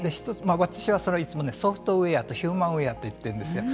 私はそれはいつもソフトウエアとヒューマンウエアと言っているんですよ。